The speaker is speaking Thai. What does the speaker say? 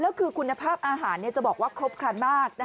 แล้วคือคุณภาพอาหารจะบอกว่าครบครันมาก